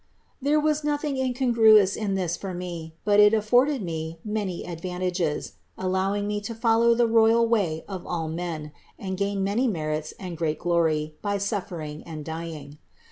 There was nothing in congruous in this for me, but it afforded me many ad vantages, allowing me to follow the royal way of all men and gain many merits and great glory by suffering and dying.